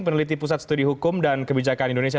peneliti pusat studi hukum dan kebijakan indonesia